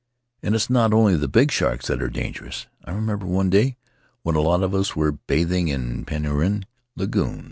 And it's not only the big sharks that are dangerous. I remember one day when a lot of us were bathing in Penrhyn lagoon.